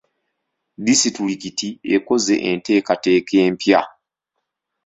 Disitulikiti ekoze enteeketeeka empya.